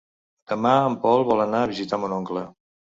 Demà en Pol vol anar a visitar mon oncle.